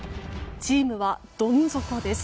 チームはどん底です。